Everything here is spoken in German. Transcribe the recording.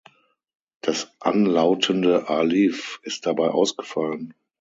Das anlautende Alif ist dabei ausgefallen.